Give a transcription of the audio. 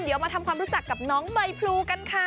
เดี๋ยวมาทำความรู้จักกับน้องใบพลูกันค่ะ